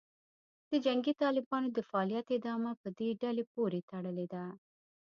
د جنګي طالبانو د فعالیت ادامه په دې ډلې پورې تړلې ده